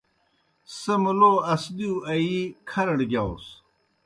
سہ مُلو اسدِیو آیی کھرڑ گِیاؤس۔